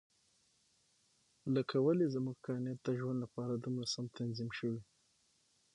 لکه ولې زموږ کاینات د ژوند لپاره دومره سم تنظیم شوي.